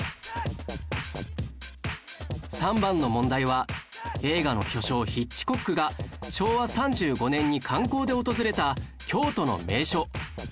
３番の問題は映画の巨匠ヒッチコックが昭和３５年に観光で訪れた京都の名所